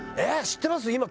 知ってます？」。